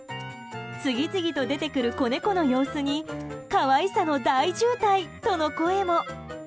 次々と出てくる子猫の様子に可愛さの大渋滞との声も。